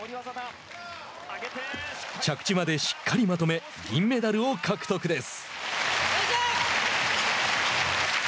着地までしっかりまとめ銀メダルを獲得です。